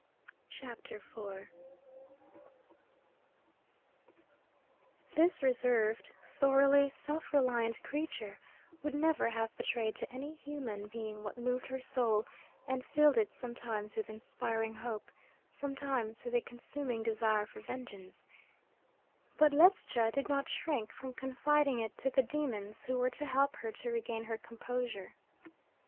CHAPTER IV. This reserved, thoroughly self reliant creature would never have betrayed to any human being what moved her soul and filled it some times with inspiring hope, sometimes with a consuming desire for vengeance; but Ledscha did not shrink from confiding it to the demons who were to help her to regain her composure.